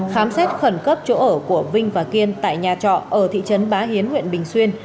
khám xét khẩn cấp chỗ ở của vinh và kiên tại nhà trọ ở thị trấn bá hiến huyện bình xuyên